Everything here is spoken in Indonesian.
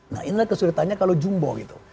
nah inilah kesulitannya kalau jumbo gitu